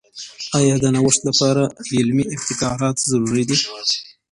آیا د نوښت لپاره علمي ابتکارات ضروري دي؟